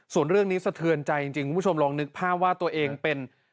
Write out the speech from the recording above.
ส่วนเรื่องนี้สะเทือนใจจริงคุณผู้ชมลองนึกภาพว่าตัวเองเป็น